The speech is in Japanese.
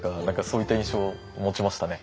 そういった印象を持ちましたね。